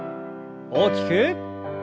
大きく。